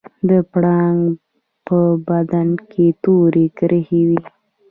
د پړانګ په بدن تورې کرښې وي